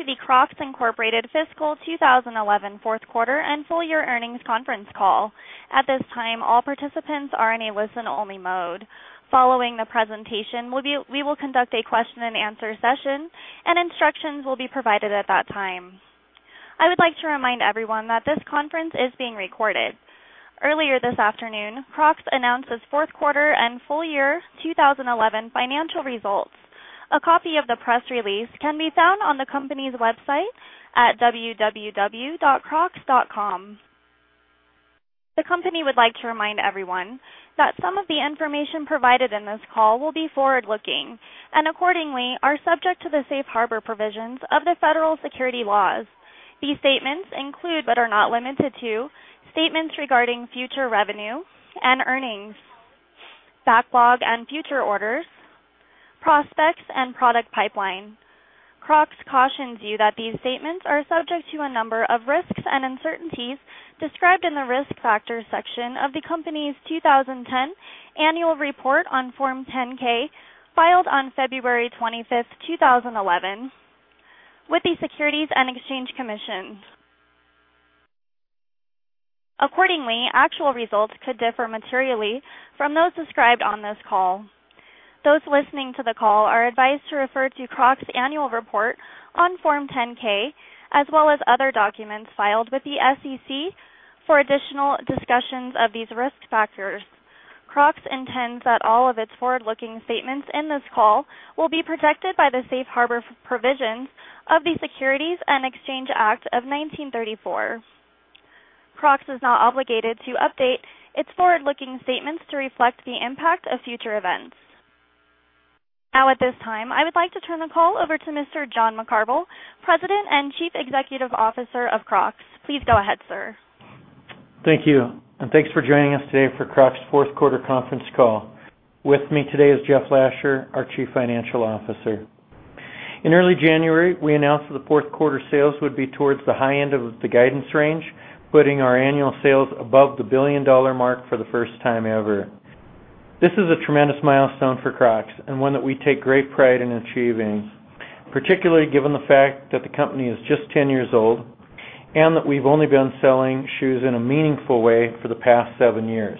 Welcome to the Crocs, Incorporated Fiscal 2011 Fourth Quarter and Full-Year Earnings Conference Call. At this time, all participants are in a listen-only mode. Following the presentation, we will conduct a question-and-answer session, and instructions will be provided at that time. I would like to remind everyone that this conference is being recorded. Earlier this afternoon, Crocs announced its fourth quarter and full-year 2011 financial results. A copy of the press release can be found on the company's website at www.crocs.com. The company would like to remind everyone that some of the information provided in this call will be forward-looking and accordingly are subject to the safe harbor provisions of the federal security laws. These statements include, but are not limited to, statements regarding future revenue and earnings, backlog and future orders, prospects, and product pipeline. Crocs cautions you that these statements are subject to a number of risks and uncertainties described in the risk factor section of the company's 2010 annual report on Form 10-K filed on February 25th, 2011, with the Securities and Exchange Commission. Accordingly, actual results could differ materially from those described on this call. Those listening to the call are advised to refer to Crocs' annual report on Form 10-K as well as other documents filed with the SEC for additional discussions of these risk factors. Crocs intends that all of its forward-looking statements in this call will be protected by the safe harbor provisions of the Securities and Exchange Act of 1934. Crocs is not obligated to update its forward-looking statements to reflect the impact of future events. Now, at this time, I would like to turn the call over to Mr.John McCarvel, President and Chief Executive Officer of Crocs. Please go ahead, sir. Thank you, and thanks for joining us today for Crocs' Fourth Quarter Conference Call. With me today is Jeff Lasher, our Chief Financial Officer. In early January, we announced that the fourth quarter sales would be towards the high end of the guidance range, putting our annual sales above the $1 billion mark for the first time ever. This is a tremendous milestone for Crocs and one that we take great pride in achieving, particularly given the fact that the company is just 10 years old and that we've only been selling shoes in a meaningful way for the past seven years.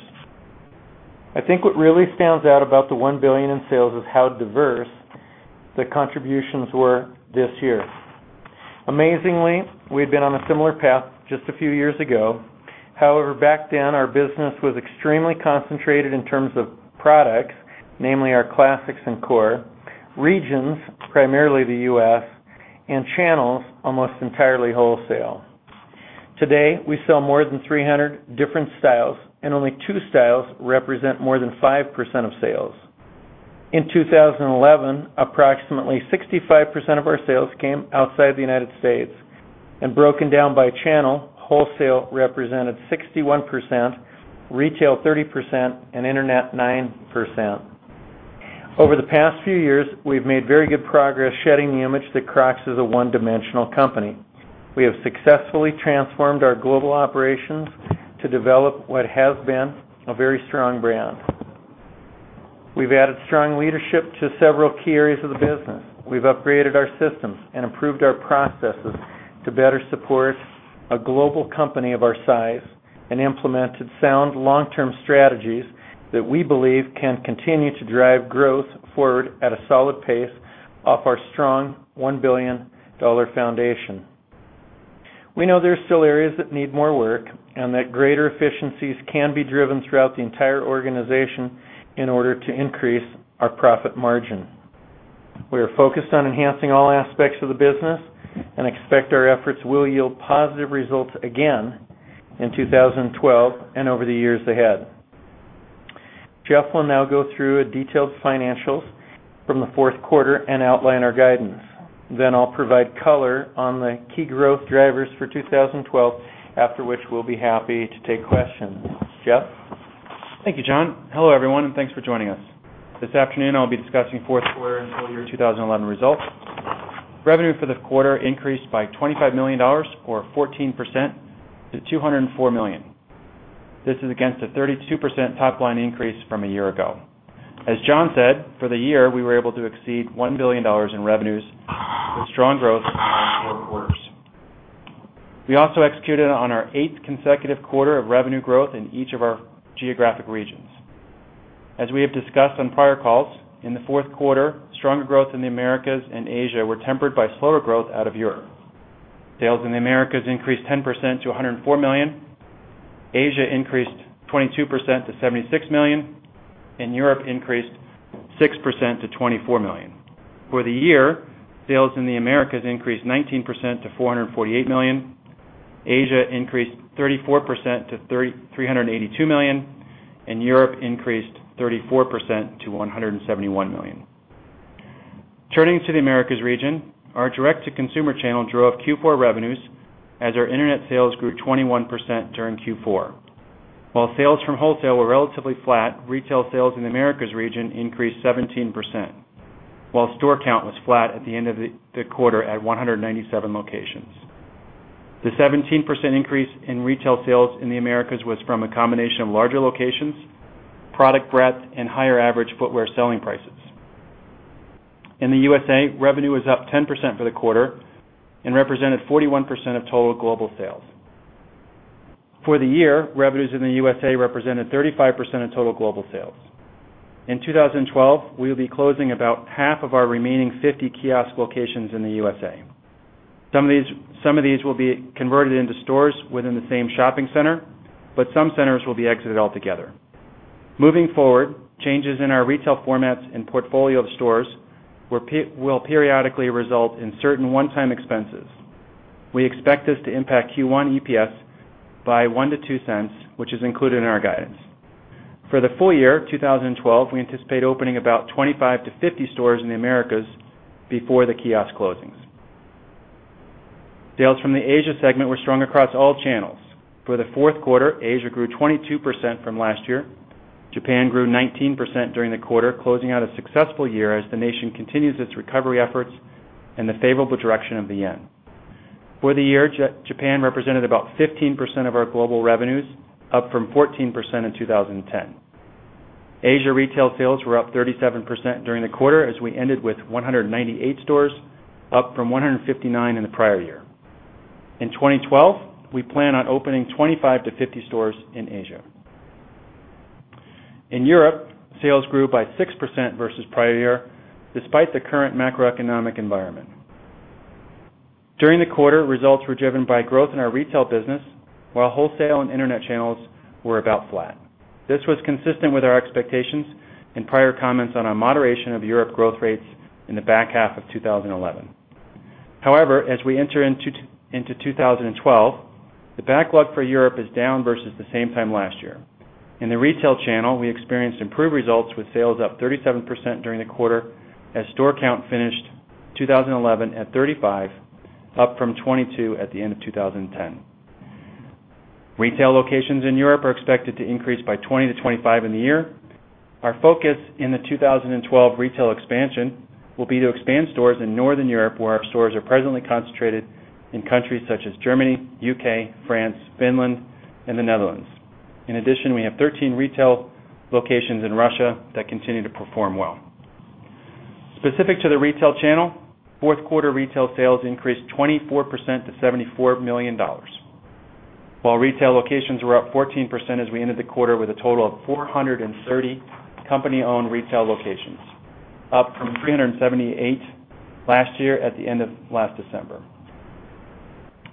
I think what really stands out about the $1 billion in sales is how diverse the contributions were this year. Amazingly, we had been on a similar path just a few years ago. However, back then, our business was extremely concentrated in terms of products, namely our classics and core, regions, primarily the U.S., and channels, almost entirely wholesale. Today, we sell more than 300 different styles, and only two styles represent more than 5% of sales. In 2011, approximately 65% of our sales came outside the United States, and broken down by channel, wholesale represented 61%, retail 30%, and internet 9%. Over the past few years, we've made very good progress shedding the image that Crocs is a one-dimensional company. We have successfully transformed our global operations to develop what has been a very strong brand. We've added strong leadership to several key areas of the business. We've upgraded our systems and improved our processes to better support a global company of our size and implemented sound long-term strategies that we believe can continue to drive growth forward at a solid pace off our strong $1 billion foundation. We know there are still areas that need more work and that greater efficiencies can be driven throughout the entire organization in order to increase our profit margin. We are focused on enhancing all aspects of the business and expect our efforts will yield positive results again in 2012 and over the years ahead. Jeff will now go through detailed financials from the fourth quarter and outline our guidance. I'll provide color on the key growth drivers for 2012, after which we'll be happy to take questions. Jeff? Thank you, John. Hello, everyone, and thanks for joining us. This afternoon, I'll be discussing fourth quarter and full-year 2011 results. Revenue for the quarter increased by $25 million, or 14%, to $204 million. This is against a 32% top-line increase from a year ago. As John said, for the year, we were able to exceed $1 billion in revenues with strong growth in the last four quarters. We also executed on our eighth consecutive quarter of revenue growth in each of our geographic regions. As we have discussed on prior calls, in the fourth quarter, stronger growth in the Americas and Asia were tempered by slower growth out of Europe. Sales in the Americas increased 10% to $104 million, Asia increased 22% to $76 million, and Europe increased 6% to $24 million. For the year, sales in the Americas increased 19% to $448 million, Asia increased 34% to $382 million, and Europe increased 34% to $171 million. Turning to the Americas region, our direct-to-consumer channel drove Q4 revenues as our internet sales grew 21% during Q4. While sales from wholesale were relatively flat, retail sales in the Americas region increased 17%, while store count was flat at the end of the quarter at 197 locations. The 17% increase in retail sales in the Americas was from a combination of larger locations, product breadth, and higher average footwear selling prices. In the U.S.A., revenue was up 10% for the quarter and represented 41% of total global sales. For the year, revenues in the U.S.A. represented 35% of total global sales. In 2012, we'll be closing about half of our remaining 50 kiosk locations in the U.S.A. Some of these will be converted into stores within the same shopping center, but some centers will be exited altogether. Moving forward, changes in our retail formats and portfolio of stores will periodically result in certain one-time expenses. We expect this to impact Q1 EPS by $0.01-$0.02, which is included in our guidance. For the full year 2012, we anticipate opening about 25-50 stores in the Americas before the kiosk closings. Sales from the Asia segment were strong across all channels. For the fourth quarter, Asia grew 22% from last year. Japan grew 19% during the quarter, closing out a successful year as the nation continues its recovery efforts and the favorable direction of the yen. For the year, Japan represented about 15% of our global revenues, up from 14% in 2010. Asia retail sales were up 37% during the quarter as we ended with 198 stores, up from 159 in the prior year. In 2012, we plan on opening 25-50 stores in Asia. In Europe, sales grew by 6% versus prior year, despite the current macroeconomic environment. During the quarter, results were driven by growth in our retail business, while wholesale and internet channels were about flat. This was consistent with our expectations and prior comments on a moderation of Europe growth rates in the back half of 2011. However, as we enter into 2012, the backlog for Europe is down versus the same time last year. In the retail channel, we experienced improved results with sales up 37% during the quarter as store count finished 2011 at 35%, up from 22% at the end of 2010. Retail locations in Europe are expected to increase by 20-25 in the year. Our focus in the 2012 retail expansion will be to expand stores in Northern Europe, where our stores are presently concentrated in countries such as Germany, UK, France, Finland, and the Netherlands. In addition, we have 13 retail locations in Russia that continue to perform well. Specific to the retail channel, fourth quarter retail sales increased 24% to $74 million, while retail locations were up 14% as we ended the quarter with a total of 430 company-owned retail locations, up from 378 last year at the end of last December,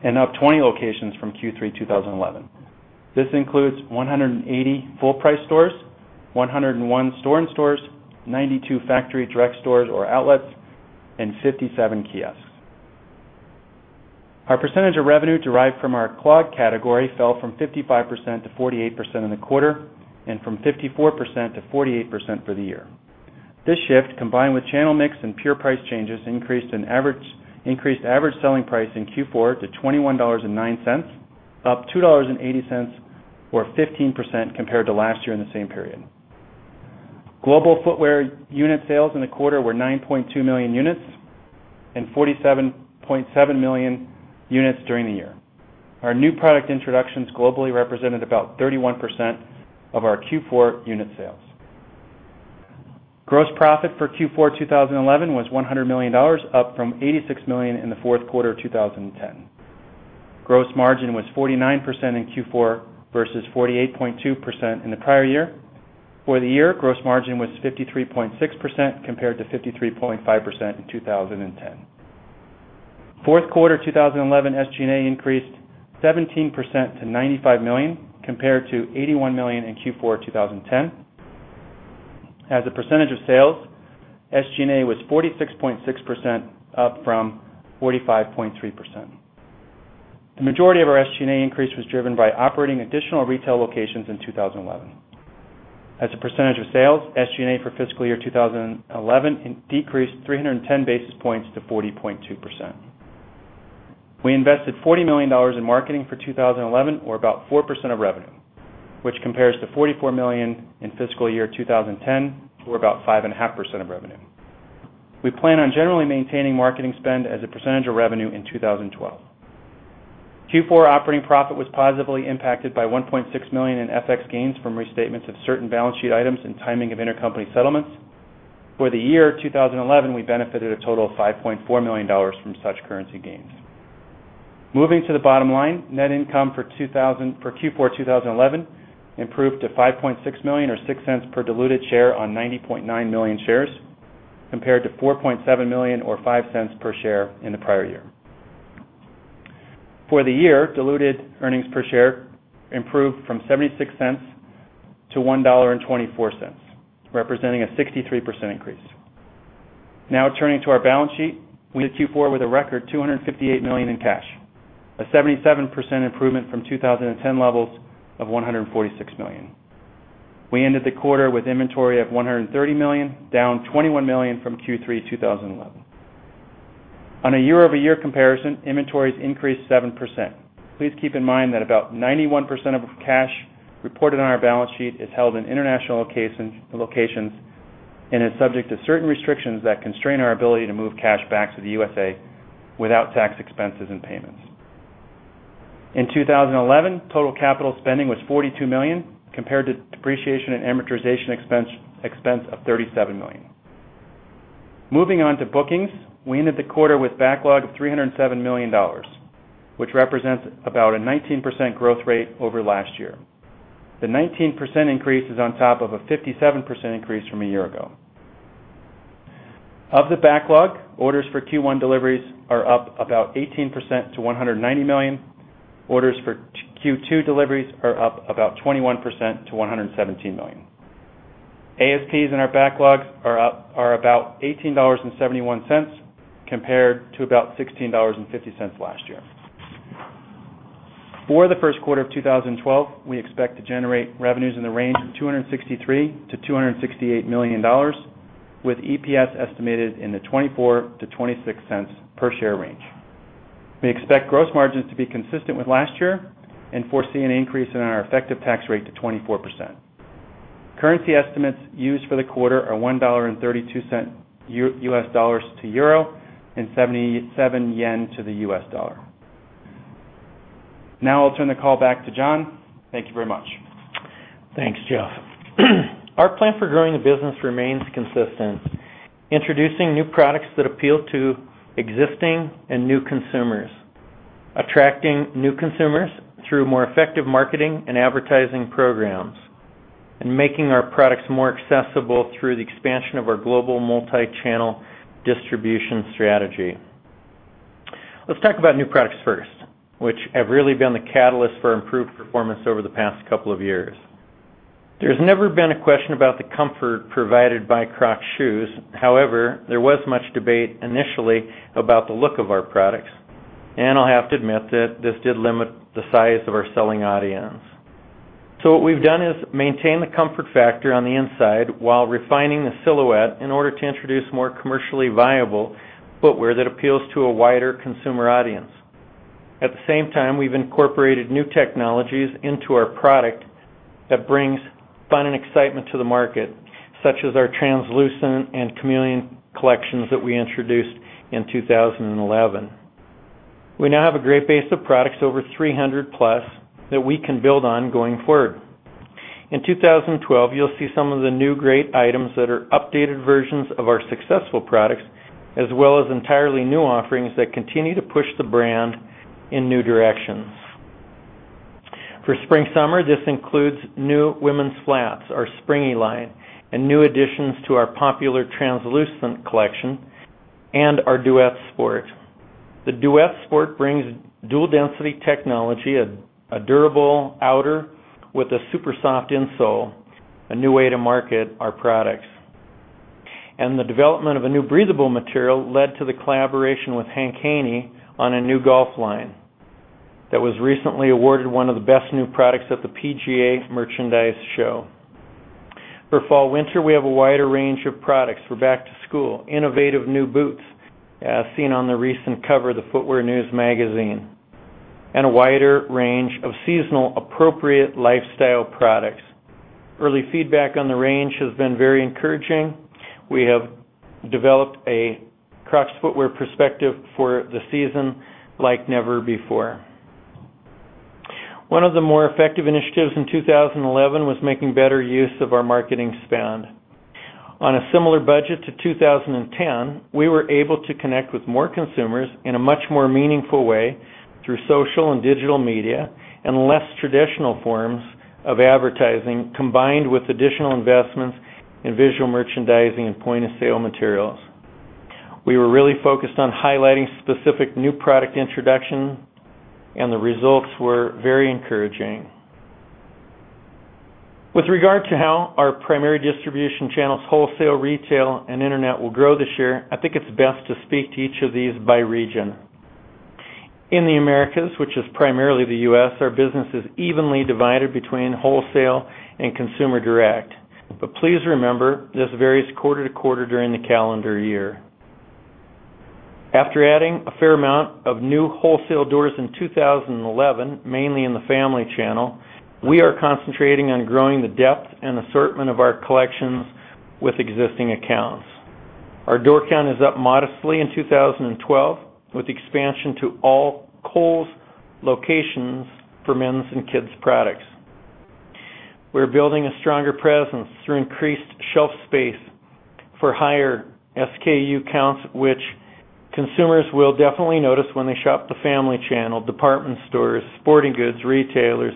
and up 20 locations from Q3 2011. This includes 180 full-price stores, 101 store-in-stores, 92 factory direct stores or outlets, and 57 kiosks. Our percentage of revenue derived from our clog category fell from 55%-48% in the quarter and from 54%-48% for the year. This shift, combined with channel mix and pure price changes, increased an average selling price in Q4 to $21.09, up $2.80, or 15% compared to last year in the same period. Global footwear unit sales in the quarter were 9.2 million units and 47.7 million units during the year. Our new product introductions globally represented about 31% of our Q4 unit sales. Gross profit for Q4 2011 was $100 million, up from $86 million in the fourth quarter of 2010. Gross margin was 49% in Q4 versus 48.2% in the prior year. For the year, gross margin was 53.6% compared to 53.5% in 2010. Fourth quarter 2011 SG&A increased 17% to $95 million compared to $81 million in Q4 2010. As a percentage of sales, SG&A was 46.6%, up from 45.3%. The majority of our SG&A increase was driven by operating additional retail locations in 2011. As a percentage of sales, SG&A for fiscal year 2011 decreased 310 basis points to 40.2%. We invested $40 million in marketing for 2011, or about 4% of revenue, which compares to $44 million in fiscal year 2010, or about 5.5% of revenue. We plan on generally maintaining marketing spend as a percentage of revenue in 2012. Q4 operating profit was positively impacted by $1.6 million in FX gains from restatements of certain balance sheet items and timing of intercompany settlements. For the year 2011, we benefited a total of $5.4 million from such currency gains. Moving to the bottom line, net income for Q4 2011 improved to $5.6 million, or $0.06 per diluted share on 90.9 million shares, compared to $4.7 million, or $0.05 per share in the prior year. For the year, diluted earnings per share improved from $0.76-$1.24, representing a 63% increase. Now, turning to our balance sheet, we ended Q4 with a record $258 million in cash, a 77% improvement from 2010 levels of $146 million. We ended the quarter with inventory of $130 million, down $21 million from Q3 2011. On a year-over-year comparison, inventories increased 7%. Please keep in mind that about 91% of cash reported on our balance sheet is held in international locations and is subject to certain restrictions that constrain our ability to move cash back to the U.S. without tax expenses and payments. In 2011, total capital spending was $42 million, compared to depreciation and amortization expense of $37 million. Moving on to bookings, we ended the quarter with a backlog of $ million, which represents about a 19% growth rate over last year. The 19% increase is on top of a 57% increase from a year ago. Of the backlog, orders for Q1 deliveries are up about 18% to $190 million. Orders for Q2 deliveries are up about 21% to $117 million. ASPs in our backlogs are about $18.71, compared to about $16.50 last year. For the first quarter of 2012, we expect to generate revenues in the range of $263 million-$268 million, with EPS estimated in the $0.24-$0.26 per share range. We expect gross margins to be consistent with last year and foresee an increase in our effective tax rate to 24%. Currency estimates used for the quarter are $1.32 U.S. Dollars to Euro and 77 yen to the U.S. Dollar. Now, I'll turn the call back to John. Thank you very much. Thanks, Jeff. Our plan for growing the business remains consistent, introducing new products that appeal to existing and new consumers, attracting new consumers through more effective marketing and advertising programs, and making our products more accessible through the expansion of our global multi-channel distribution strategy. Let's talk about new products first, which have really been the catalyst for improved performance over the past couple of years. There's never been a question about the comfort provided by Crocs shoes. However, there was much debate initially about the look of our products, and I'll have to admit that this did limit the size of our selling audience. What we've done is maintain the comfort factor on the inside while refining the silhouette in order to introduce more commercially viable footwear that appeals to a wider consumer audience. At the same time, we've incorporated new technologies into our product that bring fun and excitement to the market, such as our translucent and chameleon collections that we introduced in 2011. We now have a great base of products, over 300+, that we can build on going forward. In 2012, you'll see some of the new great items that are updated versions of our successful products, as well as entirely new offerings that continue to push the brand in new directions. For spring/summer, this includes new women's flats, our Springy line, and new additions to our popular translucent collection and our Duet Sport. The Duet Sport brings dual-density technology, a durable outer with a super-soft insole, a new way to market our products. The development of a new breathable material led to the collaboration with Hank Haney on a new golf line that was recently awarded one of the best new products at the PGA Merchandise Show. For fall/winter, we have a wider range of products. We're back to school, innovative new boots, as seen on the recent cover of the Footwear News magazine, and a wider range of seasonally appropriate lifestyle products. Early feedback on the range has been very encouraging. We have developed a Crocs footwear perspective for the season like never before. One of the more effective initiatives in 2011 was making better use of our marketing spend. On a similar budget to 2010, we were able to connect with more consumers in a much more meaningful way through social and digital media and less traditional forms of advertising, combined with additional investments in visual merchandising and point-of-sale materials. We were really focused on highlighting specific new product introductions, and the results were very encouraging. With regard to how our primary distribution channels, wholesale, retail, and internet will grow this year, I think it's best to speak to each of these by region. In the Americas, which is primarily the U.S., our business is evenly divided between wholesale and consumer direct. Please remember this varies quarter to quarter during the calendar year. After adding a fair amount of new wholesale doors in 2011, mainly in the family channel, we are concentrating on growing the depth and assortment of our collections with existing accounts. Our door count is up modestly in 2012 with the expansion to all Kohl's locations for men's and kids' products. We're building a stronger presence through increased shelf space for higher SKU counts, which consumers will definitely notice when they shop the family channel, department stores, sporting goods retailers,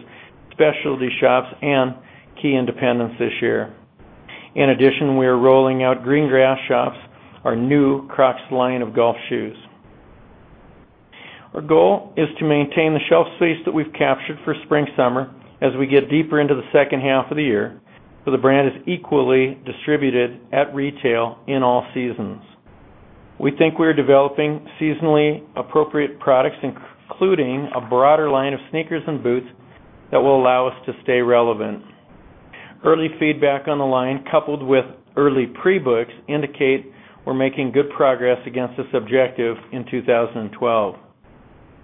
specialty shops, and key independents this year. In addition, we are rolling out green grass shops, our new Crocs line of golf shoes. Our goal is to maintain the shelf space that we've captured for spring/summer as we get deeper into the second half of the year, so the brand is equally distributed at retail in all seasons. We think we are developing seasonally appropriate products, including a broader line of sneakers and boots that will allow us to stay relevant. Early feedback on the line, coupled with early pre-books, indicate we're making good progress against this objective in 2012.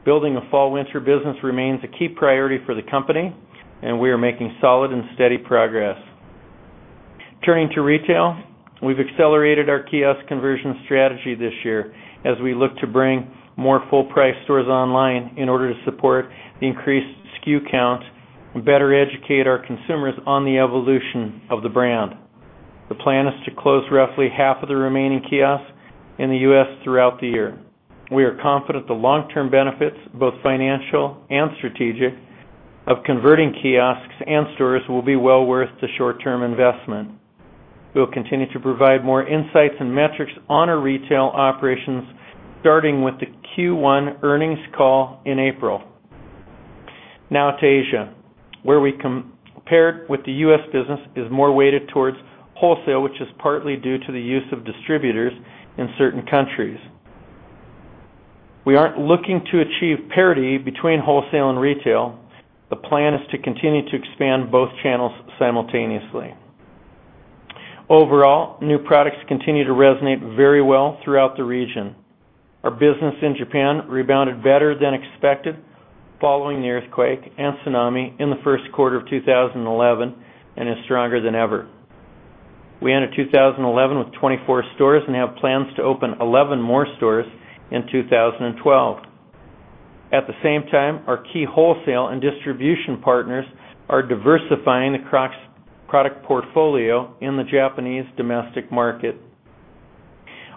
Building a fall/winter business remains a key priority for the company, and we are making solid and steady progress. Turning to retail, we've accelerated our kiosk conversion strategy this year as we look to bring more full-price stores online in order to support the increased SKU count and better educate our consumers on the evolution of the brand. The plan is to close roughly half of the remaining kiosks in the U.S. throughout the year. We are confident the long-term benefits, both financial and strategic, of converting kiosks and stores will be well worth the short-term investment. We'll continue to provide more insights and metrics on our retail operations, starting with the Q1 earnings call in April. Now to Asia, where we compared with the U.S. business is more weighted towards wholesale, which is partly due to the use of distributors in certain countries. We aren't looking to achieve parity between wholesale and retail. The plan is to continue to expand both channels simultaneously. Overall, new products continue to resonate very well throughout the region. Our business in Japan rebounded better than expected following the earthquake and tsunami in the first quarter of 2011 and is stronger than ever. We ended 2011 with 24 stores and have plans to open 11 more stores in 2012. At the same time, our key wholesale and distribution partners are diversifying the Crocs product portfolio in the Japanese domestic market.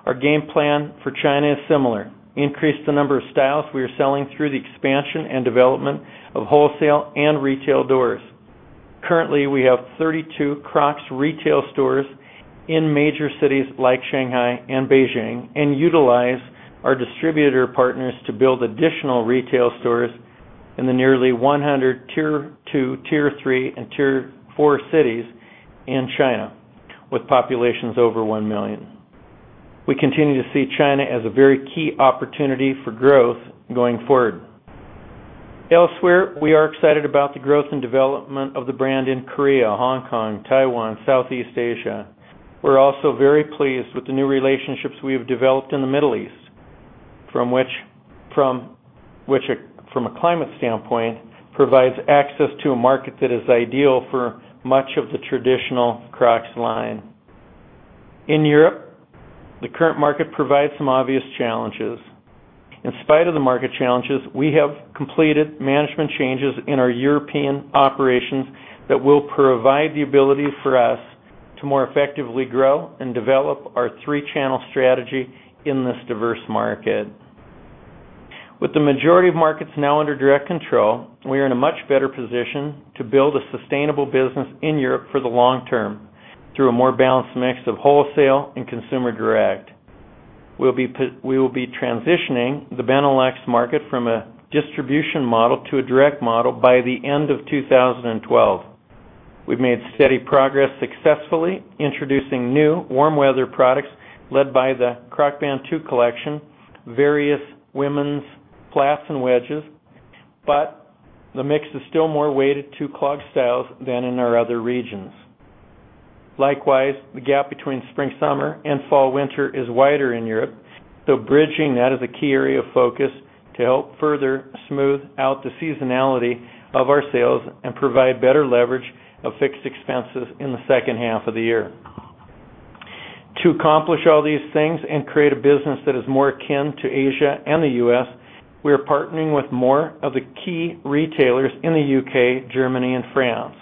Our game plan for China is similar: increase the number of styles we are selling through the expansion and development of wholesale and retail doors. Currently, we have 32 Crocs retail stores in major cities like Shanghai and Beijing and utilize our distributor partners to build additional retail stores in the nearly 100 Tier-2, Tier-3, and Tier-4 cities in China with populations over one million. We continue to see China as a very key opportunity for growth going forward. Elsewhere, we are excited about the growth and development of the brand in Korea, Hong Kong, Taiwan, and Southeast Asia. We're also very pleased with the new relationships we have developed in the Middle East, which, from a climate standpoint, provides access to a market that is ideal for much of the traditional Crocs line. In Europe, the current market provides some obvious challenges. In spite of the market challenges, we have completed management changes in our European operations that will provide the ability for us to more effectively grow and develop our three-channel strategy in this diverse market. With the majority of markets now under direct control, we are in a much better position to build a sustainable business in Europe for the long term through a more balanced mix of wholesale and consumer direct. We will be transitioning the Benelux market from a distribution model to a direct model by the end of 2012. We've made steady progress successfully introducing new warm-weather products led by the Crocs Band 2 collection, various women's flats, and wedges, but the mix is still more weighted to clog styles than in our other regions. Likewise, the gap between spring/summer and fall/winter is wider in Europe, so bridging that is a key area of focus to help further smooth out the seasonality of our sales and provide better leverage of fixed expenses in the second half of the year. To accomplish all these things and create a business that is more akin to Asia and the U.S., we are partnering with more of the key retailers in the U.K., Germany, and France.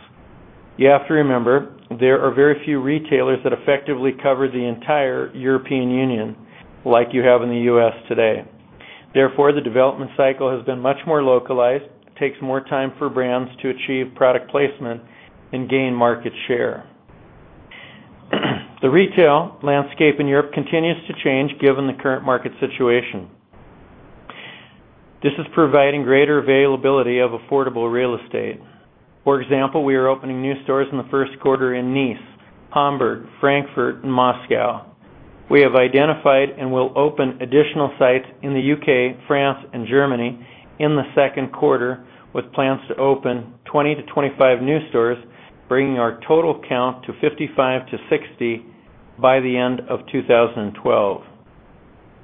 You have to remember there are very few retailers that effectively cover the entire European Union like you have in the U.S. today. Therefore, the development cycle has been much more localized, takes more time for brands to achieve product placement and gain market share. The retail landscape in Europe continues to change given the current market situation. This is providing greater availability of affordable real estate. For example, we are opening new stores in the first quarter in Nice, Hamburg, Frankfurt, and Moscow. We have identified and will open additional sites in the U.K., France, and Germany in the second quarter with plans to open 20-25 new stores, bringing our total count to 55-60 by the end of 2012.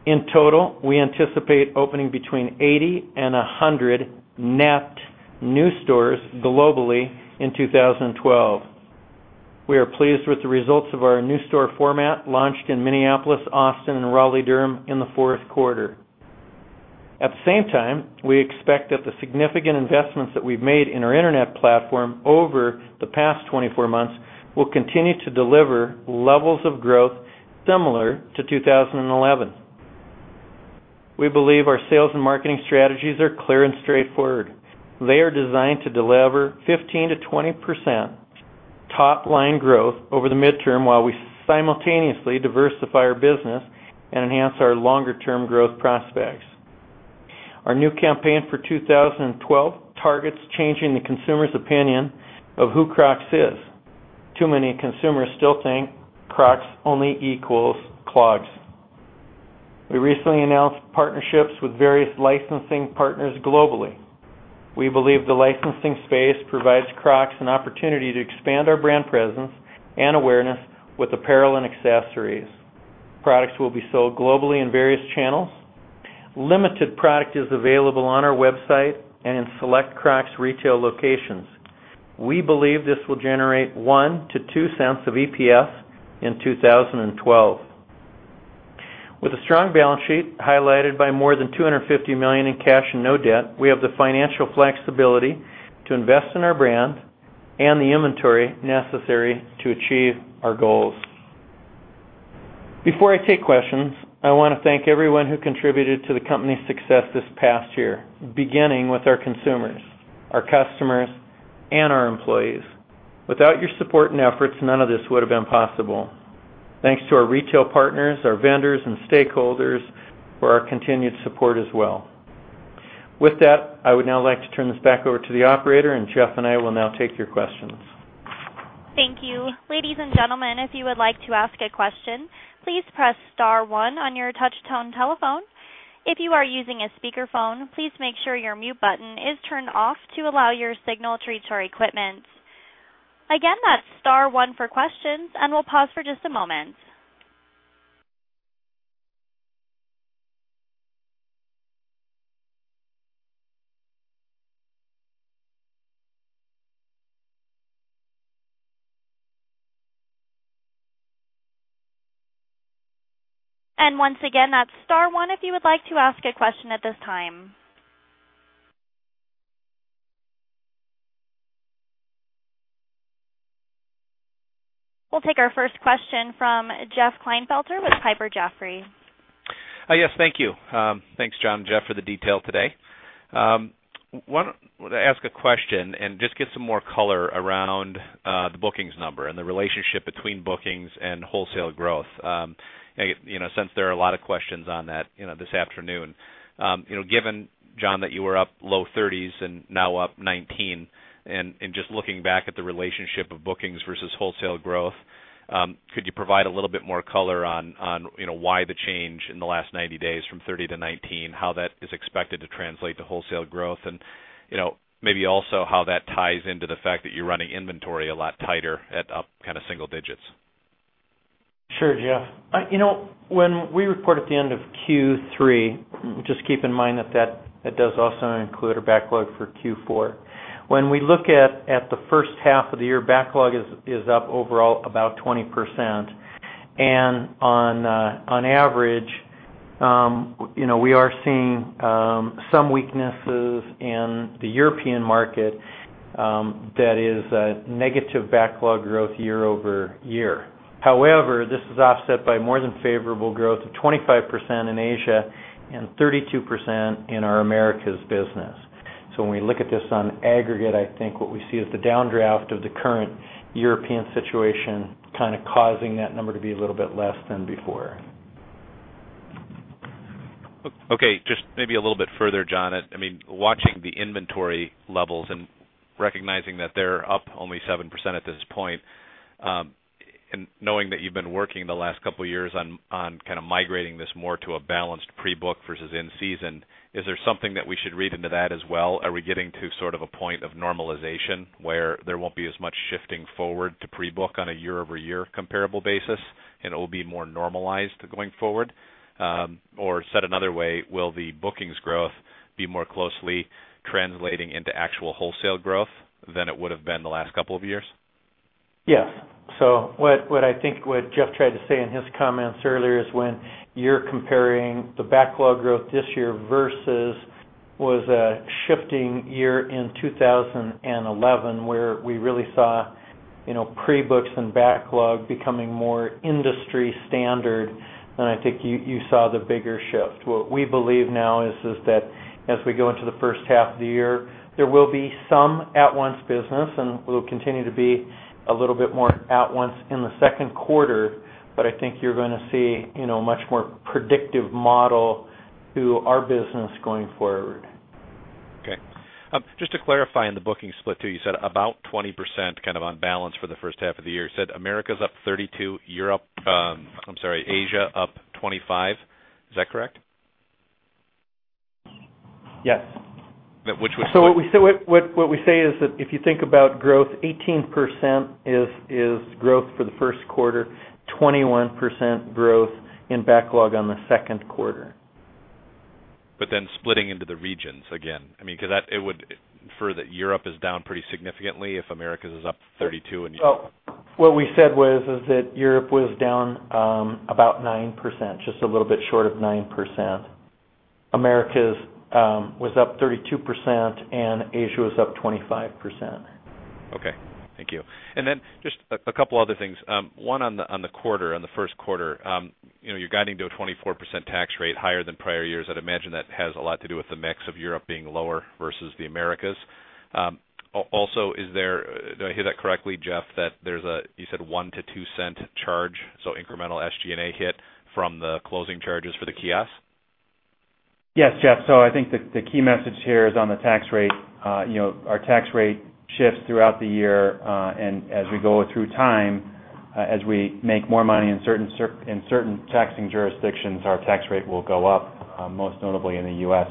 In total, we anticipate opening between 80 and 100 net new stores globally in 2012. We are pleased with the results of our new store format launched in Minneapolis, Austin, and Raleigh-Durham in the fourth quarter. At the same time, we expect that the significant investments that we've made in our internet platform over the past 24 months will continue to deliver levels of growth similar to 2011. We believe our sales and marketing strategies are clear and straightforward. They are designed to deliver 15%-20% top-line growth over the midterm while we simultaneously diversify our business and enhance our longer-term growth prospects. Our new campaign for 2012 targets changing the consumer's opinion of who Crocs is. Too many consumers still think Crocs only equals clogs. We recently announced partnerships with various licensing partners globally. We believe the licensing space provides Crocs an opportunity to expand our brand presence and awareness with apparel and accessories. Products will be sold globally in various channels. Limited product is available on our website and in select Crocs retail locations. We believe this will generate $0.01-$0.02 of EPS in 2012. With a strong balance sheet highlighted by more than $250 million in cash and no debt, we have the financial flexibility to invest in our brand and the inventory necessary to achieve our goals. Before I take questions, I want to thank everyone who contributed to the company's success this past year, beginning with our consumers, our customers, and our employees. Without your support and efforts, none of this would have been possible. Thanks to our retail partners, our vendors, and stakeholders for our continued support as well. With that, I would now like to turn this back over to the operator, and Jeff and I will now take your questions. Thank you. Ladies and gentlemen, if you would like to ask a question, please press star one on your touch-tone telephone. If you are using a speakerphone, please make sure your mute button is turned off to allow your signal to reach our equipment. Again, that's star one for questions, and we'll pause for just a moment. Once again, that's star one if you would like to ask a question at this time. We'll take our first question from Jeff Klinefelter, with Piper Jaffray. Yes, thank you. Thanks, John and Jeff, for the detail today. I want to ask a question and get some more color around the bookings number and the relationship between bookings and wholesale growth. Since there are a lot of questions on that this afternoon, given, John, that you were up low 30s and now up 19%, and just looking back at the relationship of bookings versus wholesale growth, could you provide a little bit more color on why the change in the last 90 days from 30%-19%, how that is expected to translate to wholesale growth, and maybe also how that ties into the fact that you're running inventory a lot tighter at up kind of single digits? Sure, Jeff. When we report at the end of Q3, just keep in mind that does also include a backlog for Q4. When we look at the first half of the year, backlog is up overall about 20%. On average, we are seeing some weaknesses in the European market that is a negative backlog growth year over year. However, this is offset by more than favorable growth of 25% in Asia and 32% in our Americas business. When we look at this on aggregate, I think what we see is the downdraft of the current European situation causing that number to be a little bit less than before. Okay. Just maybe a little bit further, John. I mean, watching the inventory levels and recognizing that they're up only 7% at this point, and knowing that you've been working the last couple of years on kind of migrating this more to a balanced pre-book versus in-season, is there something that we should read into that as well? Are we getting to sort of a point of normalization where there won't be as much shifting forward to pre-book on a year-over-year comparable basis, and it will be more normalized going forward? Or, said another way, will the bookings growth be more closely translating into actual wholesale growth than it would have been the last couple of years? Yes. What Jeff tried to say in his comments earlier is when you're comparing the backlog growth this year versus a shifting year in 2011 where we really saw pre-books and backlog becoming more industry standard, I think you saw the bigger shift. What we believe now is that as we go into the first half of the year, there will be some at-once business, and it will continue to be a little bit more at-once in the second quarter, but I think you're going to see a much more predictive model to our business going forward. Okay. Just to clarify, in the booking split too, you said about 20% kind of on balance for the first half of the year. You said Americas up 32%, Asia up 25%. Is that correct? Yes. Which was. If you think about growth, 18% is growth for the first quarter, 21% growth in backlog on the second quarter. Then splitting into the regions again, I mean, because that would infer that Europe is down pretty significantly if Americas is up 32%. Europe was down about 9%, just a little bit short of 9%. Americas was up 32%, and Asia was up 25%. Okay. Thank you. Just a couple other things. On the quarter, on the first quarter, you're guiding to a 24% tax rate, higher than prior years. I'd imagine that has a lot to do with the mix of Europe being lower versus the Americas. Also, did I hear that correctly, Jeff, that you said $0.01-$0.02 charge, so incremental SG&A hit from the closing charges for the kiosks? Yes, Jeff. I think the key message here is on the tax rate. You know, our tax rate shifts throughout the year, and as we go through time, as we make more money in certain taxing jurisdictions, our tax rate will go up, most notably in the U.S.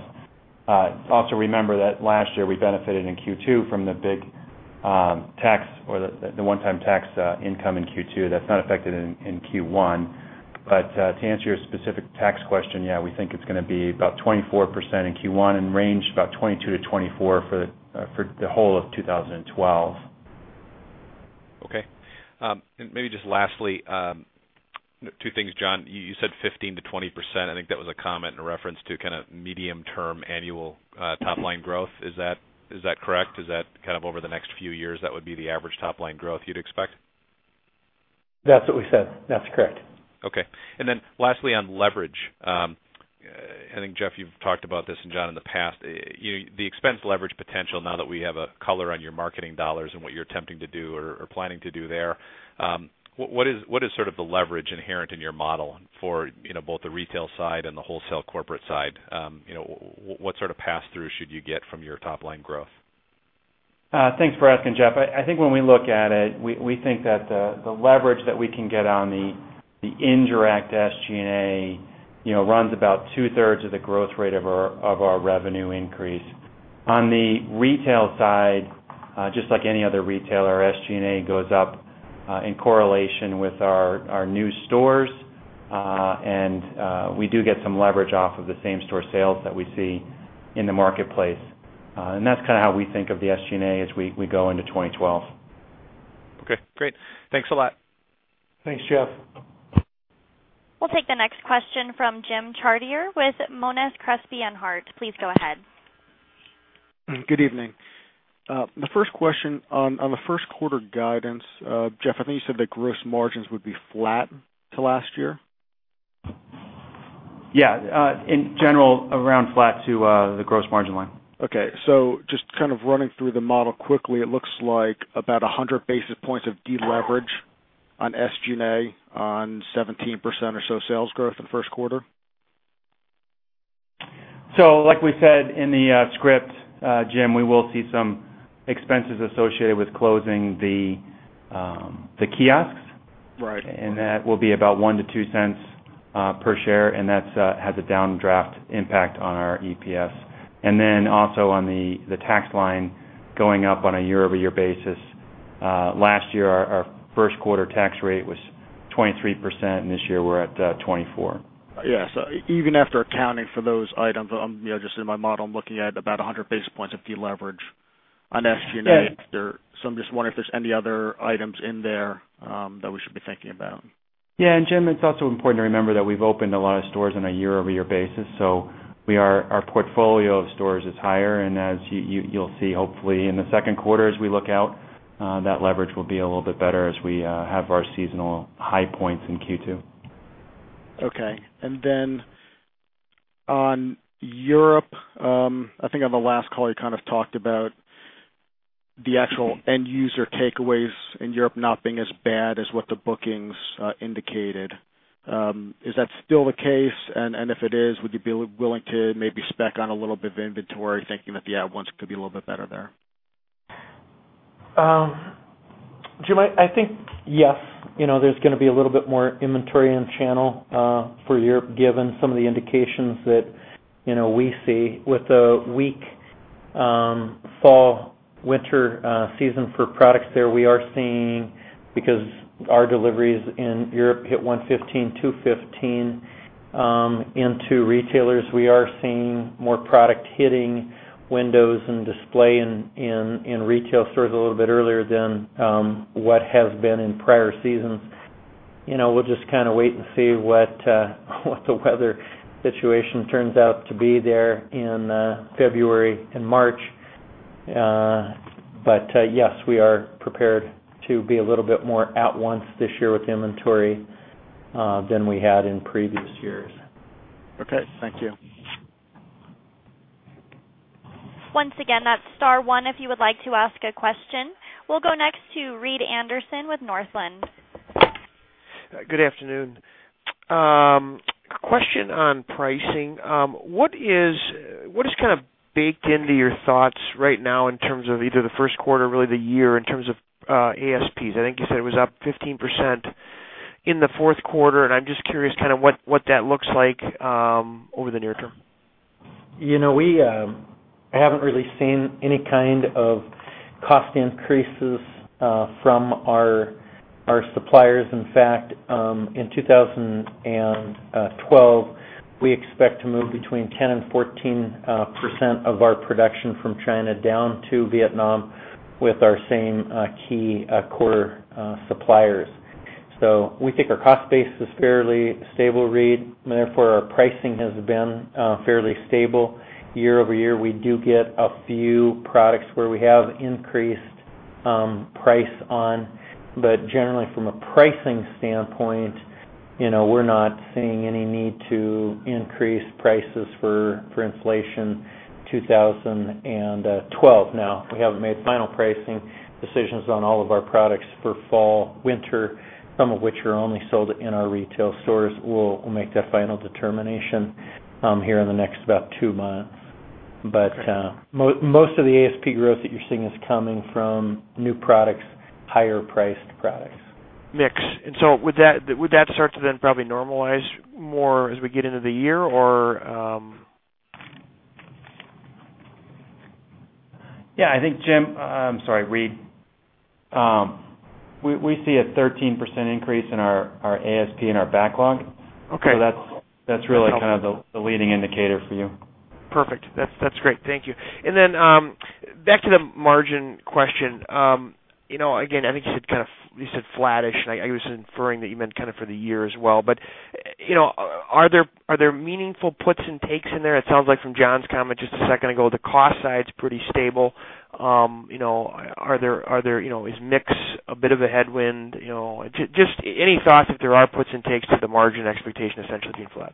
Also remember that last year we benefited in Q2 from the big tax or the one-time tax income in Q2 that's not affected in Q1. To answer your specific tax question, yeah, we think it's going to be about 24% in Q1 and range about 22%-24% for the whole of 2012. Okay, and maybe just lastly, two things, John. You said 15%-20%. I think that was a comment in reference to kind of medium-term annual, top-line growth. Is that correct? Is that kind of over the next few years, that would be the average top-line growth you'd expect? That's what we said. That's correct. Okay. Lastly, on leverage, I think, Jeff, you've talked about this and John in the past, you know, the expense leverage potential now that we have a color on your marketing dollars and what you're attempting to do or planning to do there. What is sort of the leverage inherent in your model for both the retail side and the wholesale corporate side? You know, what sort of pass-through should you get from your top-line growth? Thanks for asking, Jeff. I think when we look at it, we think that the leverage that we can get on the indirect SG&A runs about 2/3 of the growth rate of our revenue increase. On the retail side, just like any other retailer, our SG&A goes up in correlation with our new stores, and we do get some leverage off of the same store sales that we see in the marketplace. That's kind of how we think of the SG&A as we go into 2012. Okay, great. Thanks a lot. Thanks, Jeff. We'll take the next question from Jim Chartier with Monness, Crespi & Hardt. Please go ahead. Good evening. My first question on the first quarter guidance, Jeff, I think you said that gross margins would be flat to last year? Yeah, in general, around flat to the gross margin line. Okay. Just kind of running through the model quickly, it looks like about 100 basis points of deleverage on SG&A on 17% or so sales growth in the first quarter. Like we said in the script, Jim, we will see some expenses associated with closing the kiosks. Right. That will be about $0.01-$0.02 per share, and that has a downdraft impact on our EPS. Also, on the tax line going up on a year-over-year basis, last year our first quarter tax rate was 23%, and this year we're at 24%. Yeah. Even after accounting for those items, I'm, you know, just in my model, I'm looking at about 100 basis points of deleverage on SG&A. Okay. I'm just wondering if there's any other items in there that we should be thinking about. Yeah, Jim, it's also important to remember that we've opened a lot of stores on a year-over-year basis, so our portfolio of stores is higher, and as you'll see, hopefully, in the second quarter as we look out, that leverage will be a little bit better as we have our seasonal high points in Q2. Okay. On Europe, I think on the last call, you kind of talked about the actual end-user takeaways in Europe not being as bad as what the bookings indicated. Is that still the case? If it is, would you be willing to maybe spec on a little bit of inventory thinking that the outcomes could be a little bit better there? Jim, I think yes. You know, there's going to be a little bit more inventory in channel for Europe given some of the indications that we see. With a weak fall/winter season for products there, we are seeing, because our deliveries in Europe hit 115, 215 into retailers, we are seeing more product hitting windows and display in retail stores a little bit earlier than what has been in prior seasons. You know, we'll just kind of wait and see what the weather situation turns out to be there in February and March. Yes, we are prepared to be a little bit more at once this year with inventory than we had in previous years. Okay, thank you. Once again, that's star one if you would like to ask a question. We'll go next to Reed Anderson with Northland. Good afternoon. Question on pricing. What is kind of baked into your thoughts right now in terms of either the first quarter or really the year in terms of ASPs? I think you said it was up 15% in the fourth quarter, and I'm just curious kind of what that looks like over the near term. I haven't really seen any kind of cost increases from our suppliers. In fact, in 2012, we expect to move between 10% and 14% of our production from China down to Vietnam with our same key core suppliers. We think our cost base is fairly stable, Reed, and therefore our pricing has been fairly stable year-over-year. We do get a few products where we have increased price on, but generally, from a pricing standpoint, we're not seeing any need to increase prices for inflation in 2012. We haven't made final pricing decisions on all of our products for fall/winter, some of which are only sold in our retail stores. We'll make that final determination here in the next about two months. Most of the ASP growth that you're seeing is coming from new products, higher-priced products. Mix. Would that start to then probably normalize more as we get into the year? I think, Jim, I'm sorry, Reed, we see a 13% increase in our ASP and our backlog. Okay. That’s really kind of the leading indicator for you. Perfect. That's great. Thank you. Back to the margin question, I think you said kind of you said flattish, and I was inferring that you meant kind of for the year as well. Are there meaningful puts and takes in there? It sounds like from John's comment just a second ago, the cost side's pretty stable. Are there, is mix a bit of a headwind? Any thoughts if there are puts and takes to the margin expectation essentially being flat?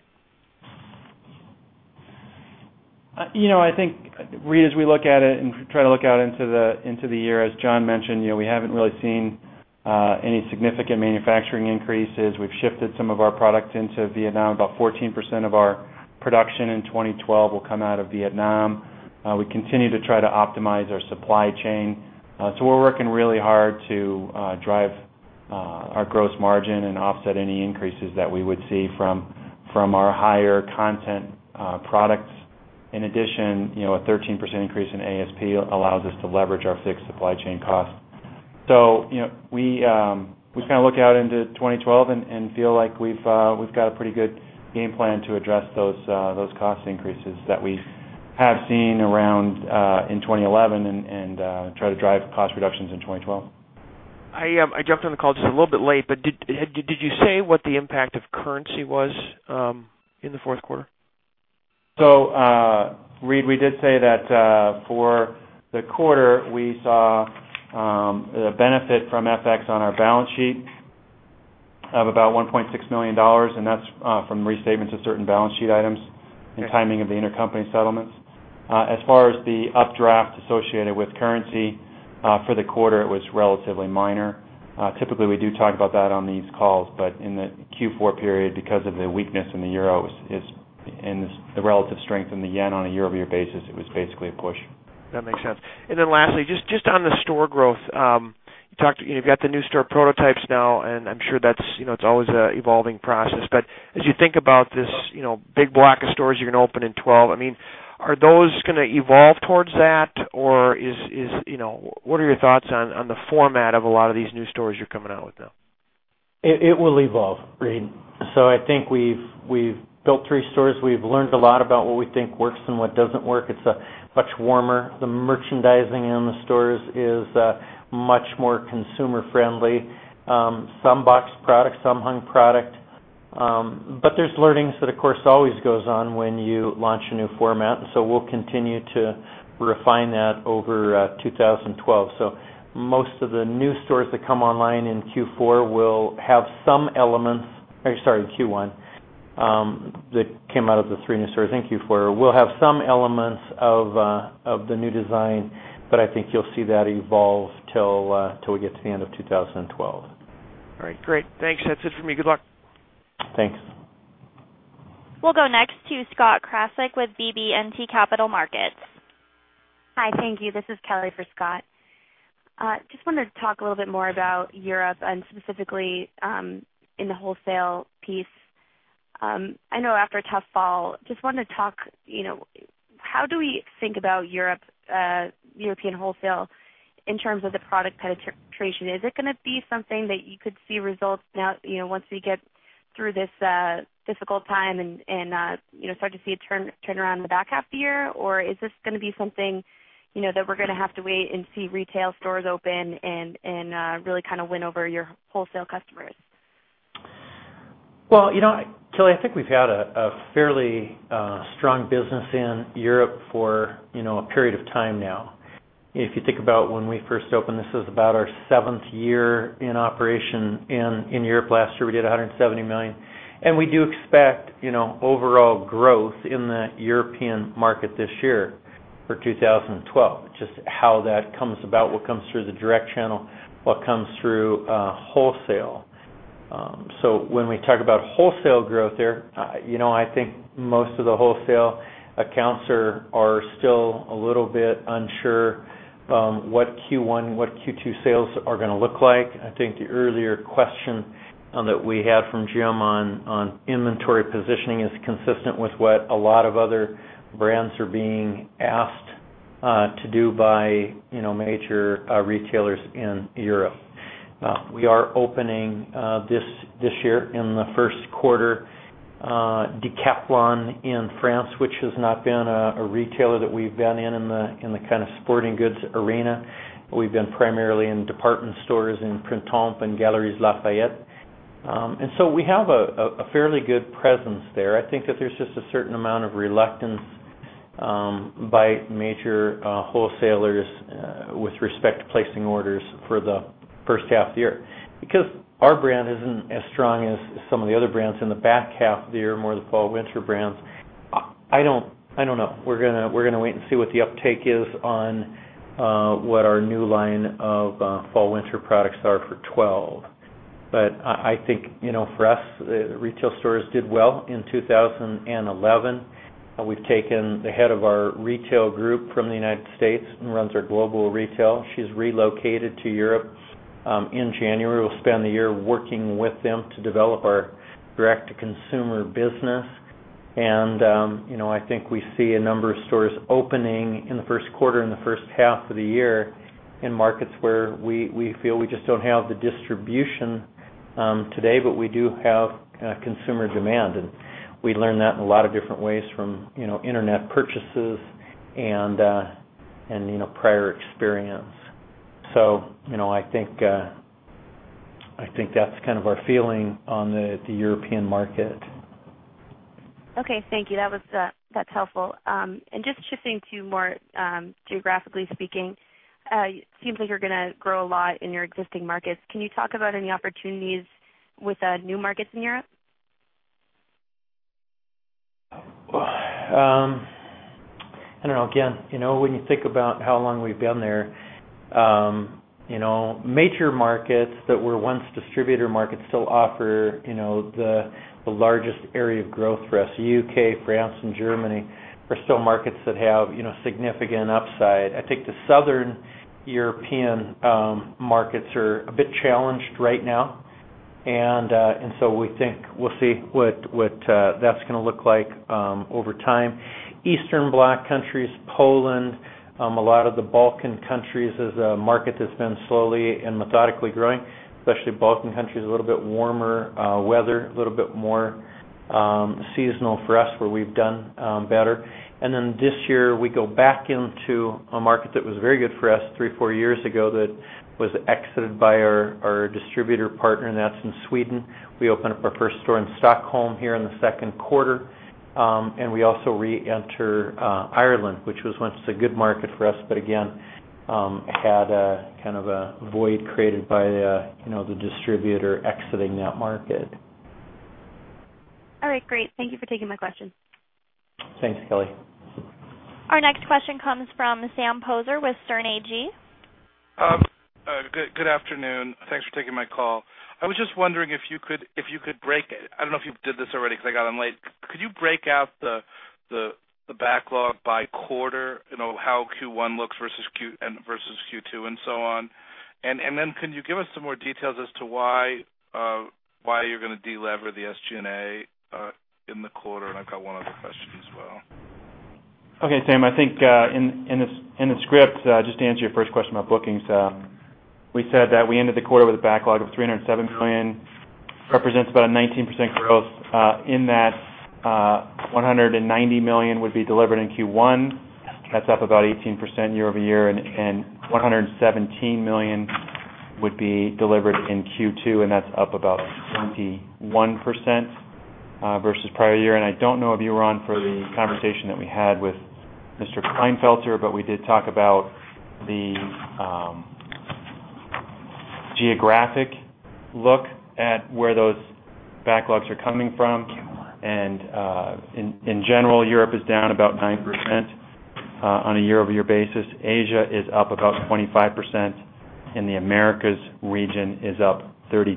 I think, Reed, as we look at it and try to look out into the year, as John mentioned, you know, we haven't really seen any significant manufacturing increases. We've shifted some of our product into Vietnam. About 14% of our production in 2012 will come out of Vietnam. We continue to try to optimize our supply chain. We're working really hard to drive our gross margin and offset any increases that we would see from our higher content products. In addition, a 13% increase in ASP allows us to leverage our fixed supply chain costs. We kind of look out into 2012 and feel like we've got a pretty good game plan to address those cost increases that we have seen around in 2011 and try to drive cost reductions in 2012. I jumped on the call just a little bit late, but did you say what the impact of currency was in the fourth quarter? We did say that for the quarter, we saw a benefit from FX on our balance sheet of about $1.6 million, and that's from the restatements of certain balance sheet items and timing of the intercompany settlements. As far as the updraft associated with currency for the quarter, it was relatively minor. Typically, we do talk about that on these calls, but in the Q4 period, because of the weakness in the Euro and the relative strength in the Yen on a year-over-year basis, it was basically a push. That makes sense. Lastly, just on the store growth, you talked, you know, you've got the new store prototypes now, and I'm sure that's, you know, it's always an evolving process. As you think about this big block of stores you're going to open in 2012, are those going to evolve towards that, or what are your thoughts on the format of a lot of these new stores you're coming out with now? It will evolve, Reed. I think we've built three stores. We've learned a lot about what we think works and what doesn't work. It's much warmer. The merchandising in the stores is much more consumer-friendly, some boxed product, some hung product. There are learnings that always go on when you launch a new format. We'll continue to refine that over 2012. Most of the new stores that come online in Q1 that came out of the three new stores in Q4 will have some elements of the new design. I think you'll see that evolve till we get to the end of 2012. All right. Great. Thanks. That's it for me. Good luck. Thanks. We'll go next to Scott Krasik with BB&T Capital Markets. Hi. Thank you. This is Kelly for Scott. I just wanted to talk a little bit more about Europe and specifically, in the wholesale piece. I know after a tough fall, I just wanted to talk, you know, how do we think about Europe, European wholesale in terms of the product penetration? Is it going to be something that you could see results now, you know, once we get through this difficult time and start to see a turnaround in the back half of the year, or is this going to be something that we're going to have to wait and see retail stores open and really kind of win over your wholesale customers? Kelly, I think we've had a fairly strong business in Europe for a period of time now. If you think about when we first opened, this is about our seventh year in operation in Europe. Last year, we did $170 million. We do expect overall growth in the European market this year for 2012, just how that comes about, what comes through the direct channel, what comes through wholesale. When we talk about wholesale growth there, I think most of the wholesale accounts are still a little bit unsure what Q1, what Q2 sales are going to look like. The earlier question that we had from Jim on inventory positioning is consistent with what a lot of other brands are being asked to do by major retailers in Europe. We are opening this year in the first quarter, Decathlon in France, which has not been a retailer that we've been in, in the sporting goods arena. We've been primarily in department stores in Printemps and Galeries Lafayette, and so we have a fairly good presence there. I think that there's just a certain amount of reluctance by major wholesalers with respect to placing orders for the first half of the year because our brand isn't as strong as some of the other brands in the back half of the year, more of the fall/winter brands. I don't know. We're going to wait and see what the uptake is on what our new line of fall/winter products are for 2012. For us, retail stores did well in 2011. We've taken the head of our retail group from the United States who runs our global retail. She's relocated to Europe in January. We'll spend the year working with them to develop our direct-to-consumer business. I think we see a number of stores opening in the first quarter and the first half of the year in markets where we feel we just don't have the distribution today, but we do have consumer demand. We learn that in a lot of different ways from internet purchases and prior experience. I think that's kind of our feeling on the European market. Okay. Thank you. That was helpful. Just shifting to more, geographically speaking, it seems like you're going to grow a lot in your existing markets. Can you talk about any opportunities with new markets in Europe? I don't know. Again, you know, when you think about how long we've been there, major markets that were once distributor markets still offer the largest area of growth for us. The UK, France, and Germany are still markets that have significant upside. I think the Southern European markets are a bit challenged right now. We think we'll see what that's going to look like over time. Eastern Bloc countries, Poland, a lot of the Balkan countries is a market that's been slowly and methodically growing, especially Balkan countries, a little bit warmer weather, a little bit more seasonal for us where we've done better. This year, we go back into a market that was very good for us three or four years ago that was exited by our distributor partner, and that's in Sweden. We opened up our first store in Stockholm here in the second quarter. We also re-enter Ireland, which was once a good market for us, but again, had a kind of a void created by the distributor exiting that market. All right. Great, thank you for taking my question. Thanks, Kelly. Our next question comes from Sam Poser with Sterne Agee. Good afternoon. Thanks for taking my call. I was just wondering if you could break it. I don't know if you did this already because I got on late. Could you break out the backlog by quarter, you know, how Q1 looks versus Q2 and so on? Can you give us some more details as to why you're going to delever the SG&A in the quarter? I've got one other question as well. Okay, Sam. I think, in the script, just to answer your first question about bookings, we said that we ended the quarter with a backlog of $307 million. Represents about a 19% growth. In that, $190 million would be delivered in Q1. That's up about 18% year over year. $117 million would be delivered in Q2, and that's up about 71% versus prior year. I don't know if you were on for the conversation that we had with Mr. Klinefelter, but we did talk about the geographic look at where those backlogs are coming from. In general, Europe is down about 9% on a year-over-year basis. Asia is up about 25%, and the Americas region is up 32%.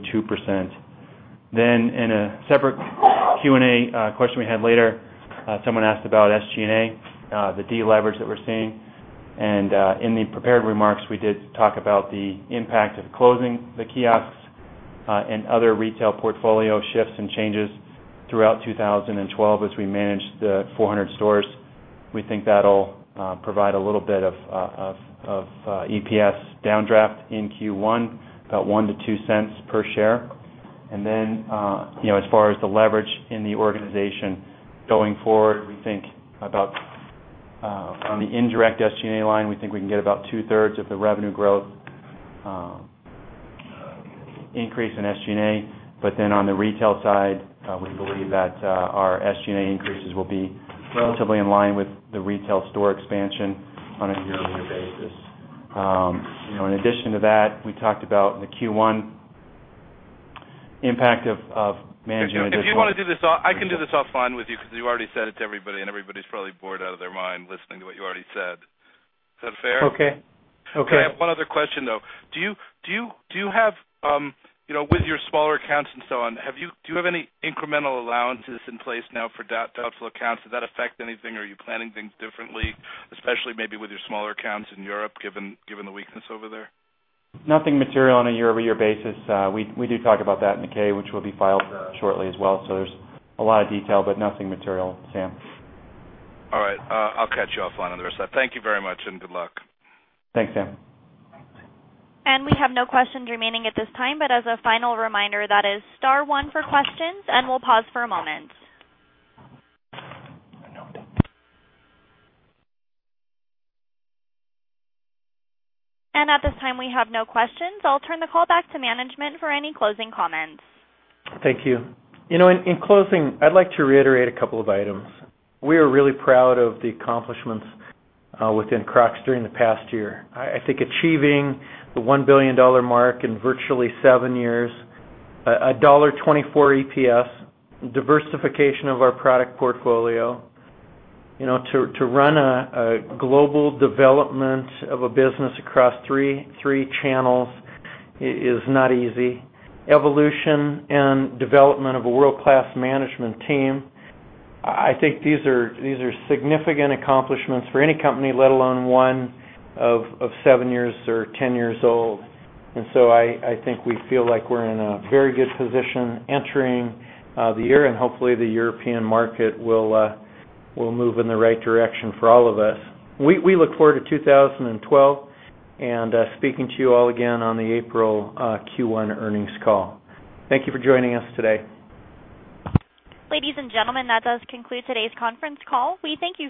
In a separate Q&A question we had later, someone asked about SG&A, the deleverage that we're seeing. In the prepared remarks, we did talk about the impact of closing the kiosks and other retail portfolio shifts and changes throughout 2012 as we managed the 400 stores. We think that'll provide a little bit of EPS downdraft in Q1, about $0.01-$0.02 per share. As far as the leverage in the organization going forward, we think about on the indirect SG&A line, we think we can get about 2/3 of the revenue growth increase in SG&A. On the retail side, we believe that our SG&A increases will be relatively in line with the retail store expansion on a year-over-year basis. In addition to that, we talked about in the Q1 impact of managing a distributor. If you want to do this, I can do this offline with you because you've already said it to everybody, and everybody's probably bored out of their mind listening to what you already said. Is that fair? Okay. Okay. I have one other question. Do you have, you know, with your smaller accounts and so on, do you have any incremental allowances in place now for doubtful accounts? Does that affect anything, or are you planning things differently, especially maybe with your smaller accounts in Europe, given the weakness over there? Nothing material on a year-over-year basis. We do talk about that in the K, which will be filed shortly as well. There's a lot of detail, but nothing material, Sam. All right. I'll catch you offline on the other side. Thank you very much, and good luck. Thanks, Sam. We have no questions remaining at this time. As a final reminder, that is star one for questions, and we'll pause for a moment. At this time, we have no questions. I'll turn the call back to management for any closing comments. Thank you. In closing, I'd like to reiterate a couple of items. We are really proud of the accomplishments within Crocs during the past year. I think achieving the $1 billion mark in virtually seven years, a $1.24 EPS, diversification of our product portfolio, to run a global development of a business across three channels is not easy. Evolution and development of a world-class management team, I think these are significant accomplishments for any company, let alone one of seven years or ten years old. I think we feel like we're in a very good position entering the year, and hopefully, the European market will move in the right direction for all of us. We look forward to 2012 and speaking to you all again on the April Q1 Earnings Call. Thank you for joining us today. Ladies and gentlemen, that does conclude today's conference call. We thank you.